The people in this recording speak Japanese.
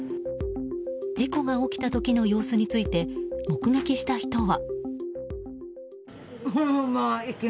事故が起きた時の様子について目撃した人は。